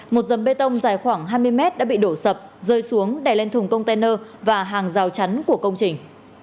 một dầm bê tông dài khoảng hai mươi mét đã bị đổ sập rơi xuống đè lên thùng container và hàng rào chắn của công trình